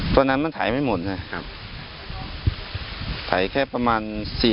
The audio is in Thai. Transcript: ตอนนั้นมันไถไม่หมดนะครับไถแค่ประมาณ๔ไร่